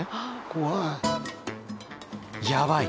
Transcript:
怖い。